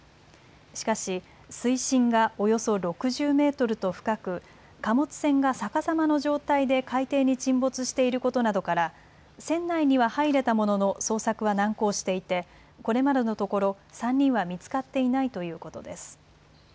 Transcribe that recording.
しかし水深がおよそ６０メートルと深く、貨物船が逆さまの状態で海底に沈没していることなどから船内には入れたものの捜索は難航していてこれまでのところ３人は見つかっていないということです。